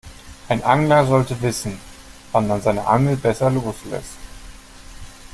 Ein Angler sollte wissen, wann man seine Angel besser loslässt.